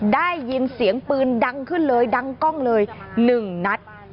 ได้ยินเสียงปืนดังขึ้นเลยดังกล้องเลย๑นัด